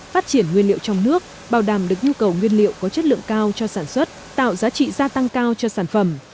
phát triển nguyên liệu trong nước bảo đảm được nhu cầu nguyên liệu có chất lượng cao cho sản xuất tạo giá trị gia tăng cao cho sản phẩm